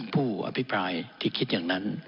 ผู้อภิปรายที่คิดอย่างนั้น